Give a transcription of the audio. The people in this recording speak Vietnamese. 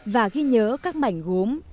và ghi nhớ các mảnh gốm